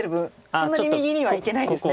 そんなに右にはいけないですね。